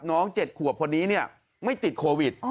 น้องเจ็ดขวบคนนี้เนี่ยไม่ติดโควิด